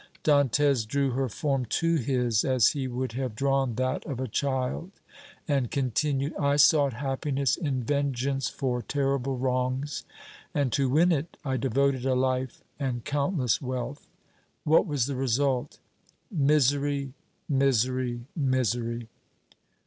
Dantès drew her form to his as he would have drawn that of a child, and continued: "I sought happiness in vengeance for terrible wrongs, and to win it I devoted a life and countless wealth. What was the result? Misery! misery! misery!"